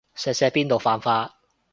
錫錫邊度犯法